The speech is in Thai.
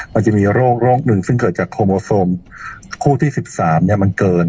มันจะมีโรคหนึ่งซึ่งเกิดจากโคโมโซมคู่ที่๑๓มันเกิน